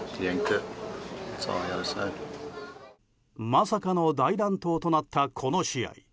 まさかの大乱闘となったこの試合。